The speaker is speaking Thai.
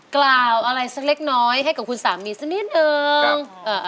กล่าวอะไรสักเล็กน้อยให้กับคุณสามีสักนิดนึง